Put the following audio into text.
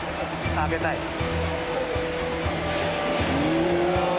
うわ。